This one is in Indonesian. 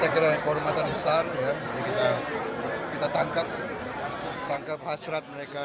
kita tangkap hasrat mereka